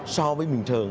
so với miền thường